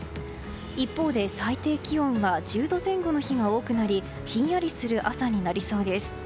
一方で最低気温は１０度前後の日が多くなりひんやりする朝になりそうです。